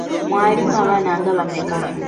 Mwalimu abaana nga bameka?